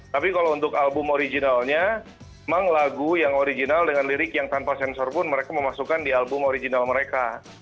tapi kalau untuk album originalnya memang lagu yang original dengan lirik yang tanpa sensor pun mereka memasukkan di album original mereka